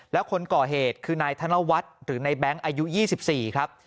แล้วคนก่อเหตุคือนายธนวัฒน์หรือในแบงค์อายุ๒๔ครับ